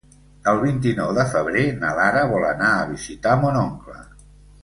El vint-i-nou de febrer na Lara vol anar a visitar mon oncle.